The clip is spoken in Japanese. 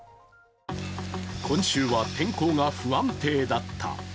今週は天候が不安定だった。